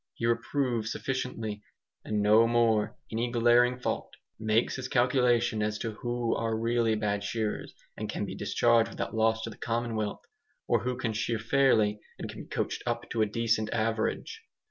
He reproves sufficiently, and no more, any glaring fault; makes his calculation as to who are really bad shearers, and can be discharged without loss to the commonwealth, or who can shear fairly and can be coached up to a decent average.